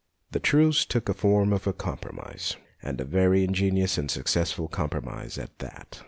The truce took the form of a compromise, and a very ingenious and successful compromise at that.